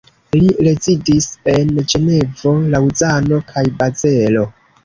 Li rezidis en Ĝenevo, Laŭzano kaj Bazelo.